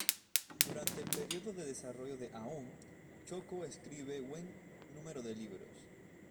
Durante el período de desarrollo de Aum, Shoko escribe buen número de libros.